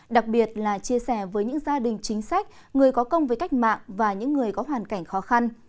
đặc biệt là chia sẻ với những gia đình chính sách người có công với cách mạng và những người có hoàn cảnh khó khăn